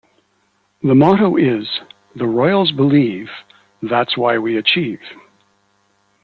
The motto is "The Royals Believe That's Why We Achieve".